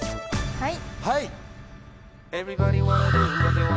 はい！